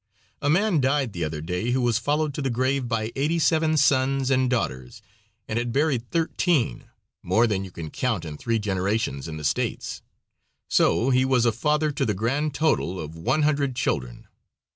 A man died the other day who was followed to the grave by eighty seven sons and daughters, and had buried thirteen, more than you can count in three generations in the States, so he was a father to the grand total of one hundred children.